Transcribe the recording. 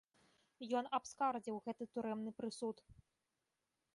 Ён абскардзіў гэты турэмны прысуд.